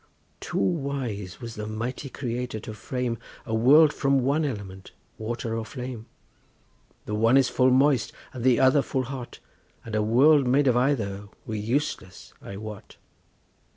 Too wise was the mighty Creator to frame A world from one element, water or flame; The one is full moist and the other full hot, And a world made of either were useless, I wot.